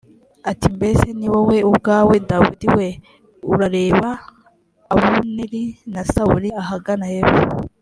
ati mbese ni wowe ubwawe dawidi we urareba abuneri na sawuli ahagana hepfo